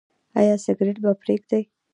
ایا سګرټ به پریږدئ؟